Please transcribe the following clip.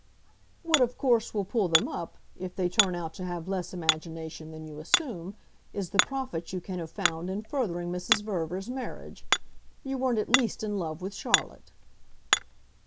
"What of course will pull them up, if they turn out to have less imagination than you assume, is the profit you can have found in furthering Mrs. Verver's marriage. You weren't at least in love with Charlotte."